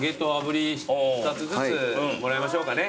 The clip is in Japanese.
２つずつもらいましょうかね。